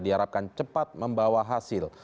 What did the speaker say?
diharapkan cepat membawa hasil